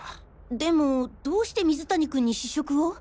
でもどうして水谷君に試食を？